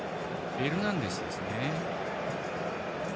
フェルナンデスですね。